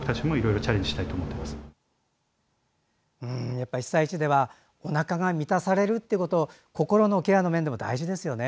やっぱり、被災地ではおなかが満たされるってことは心のケアの面でも大事ですよね。